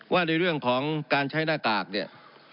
ว่าในเรื่องของการใช้หน้ากากเนี่ย